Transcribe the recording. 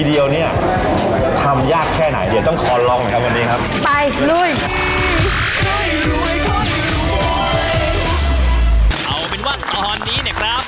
เอาเป็นว่าตอนนี้เนี่ยครับ